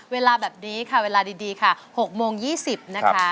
เวลาแบบนี้ค่ะเวลาดีค่ะ๖โมง๒๐นะคะ